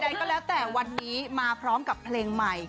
ใดก็แล้วแต่วันนี้มาพร้อมกับเพลงใหม่